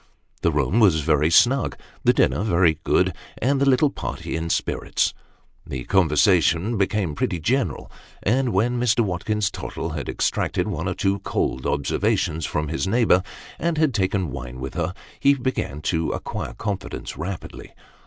The room was very snug, the dinner very good, and the little party in spirits. The conversation became pretty general, and when Mr. Watkins Tottle had extracted one or two cold observations from his neighbour, and had taken wine with her, he began to acquire confidence rapidly.